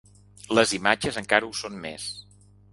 Les imatges encara ho són més.